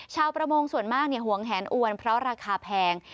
ชาวประมงส่วนมากหวงแหนอวนเพราะราคาแพง